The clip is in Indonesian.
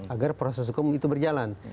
agar proses hukum itu berjalan